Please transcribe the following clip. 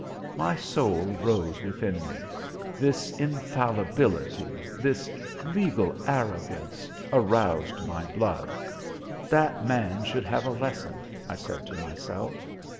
My soul rose within me. This infallibility, this legal arrogance, aroused my blood. "That man should have a lesson!" I said to myself.